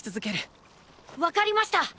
分かりました！